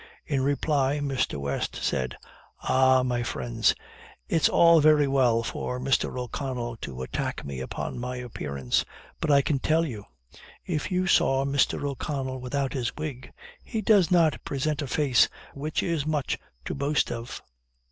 In reply Mr. West said, "Ah, my friends! it's all very well for Mr. O'Connell to attack me upon my appearance; but I can tell you, if you saw Mr. O'Connell without his wig, he does not present a face which is much to boast of."